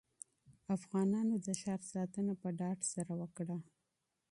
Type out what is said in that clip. افغانانو د ښار ساتنه په ډاډ سره وکړه.